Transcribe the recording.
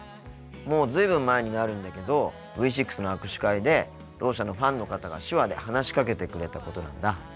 もう随分前になるんだけどＶ６の握手会でろう者のファンの方が手話で話しかけてくれたことなんだ。